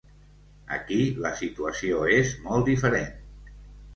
Aquí la situació és molt diferent.